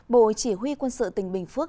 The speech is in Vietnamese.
bộ chỉ huy quân sự tỉnh bình phước